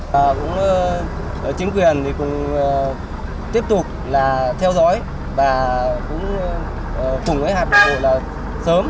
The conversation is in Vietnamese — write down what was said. và cũng chính quyền thì cũng tiếp tục là theo dõi và cũng cùng với hạt điều là sớm